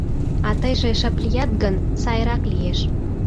— А тыйже шып лият гын, сайрак лиеш!